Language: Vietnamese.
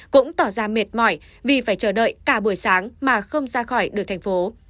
cũng tỏ ra mệt mỏi vì phải chờ đợi cả buổi sáng mà không ra khỏi được thành phố